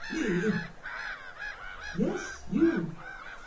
"Me?" "Yes, you.